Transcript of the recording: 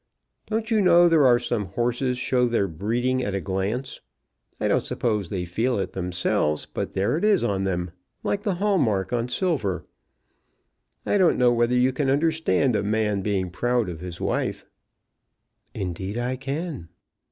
Don't you know there are some horses show their breeding at a glance? I don't suppose they feel it themselves; but there it is on them, like the Hall mark on silver. I don't know whether you can understand a man being proud of his wife." "Indeed I can."